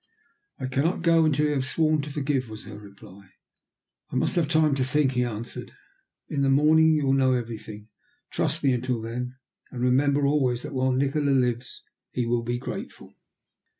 "I cannot go until you have sworn to forgive," was her reply. "I must have time to think," he answered. "In the morning you will know everything. Trust me until then, and remember always that while Nikola lives he will be grateful."